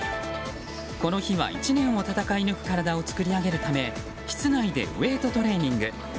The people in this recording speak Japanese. この日は１年を戦い抜く体を作り上げるため室内でウェートトレーニング。